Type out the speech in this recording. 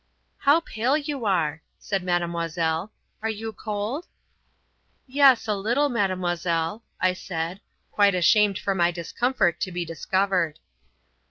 "How pale you are," said Mademoiselle; "Are you cold?" "Yes, a little, Mademoiselle," I said, quite ashamed for my discomfort to be discovered.